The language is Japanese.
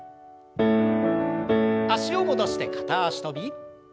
脚を戻して片脚跳び。